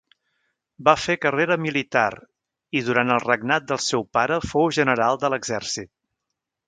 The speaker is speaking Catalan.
Va fer carrera militar i durant el regnat del seu pare fou general de l'exèrcit.